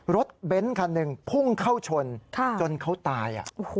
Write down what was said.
เบ้นคันหนึ่งพุ่งเข้าชนจนเขาตาย